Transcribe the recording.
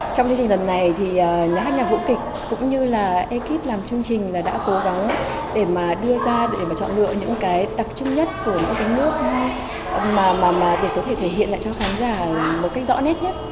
trong chương trình lần này thì nhà hát nhạc vũ kịch cũng như là ekip làm chương trình là đã cố gắng để mà đưa ra để mà chọn được những cái đặc trưng nhất của những cái nước mà để có thể thể hiện lại cho khán giả một cách rõ nét nhất